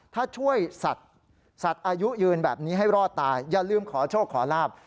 ถ้าช่วยสัตว์สัตว์อายุยืนแบบนี้ให้รอดตายอย่าลืมขอโชคขอลาบ